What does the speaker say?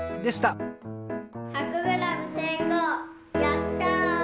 やった！